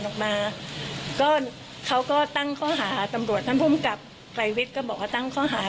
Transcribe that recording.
ออกมาก็เขาก็ตั้งข้อหาตำรวจท่านภูมิกับไกรวิทย์ก็บอกว่าตั้งข้อหา